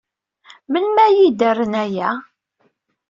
Melmi ara iyi-d-rren aya?